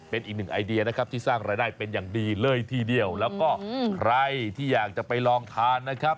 เป็นอีกหนึ่งไอเดียนะครับที่สร้างรายได้เป็นอย่างดีเลยทีเดียวแล้วก็ใครที่อยากจะไปลองทานนะครับ